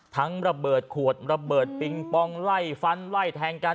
ระเบิดขวดระเบิดปิงปองไล่ฟันไล่แทงกัน